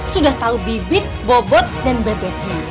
sudah tahu bibit bobot dan bebeknya